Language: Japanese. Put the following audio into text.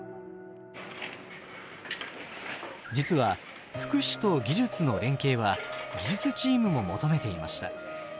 実は福祉と技術の連携は技術チームも求めていました。